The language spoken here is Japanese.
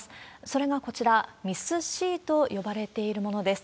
それがこちら、ＭＩＳ−Ｃと呼ばれているものです。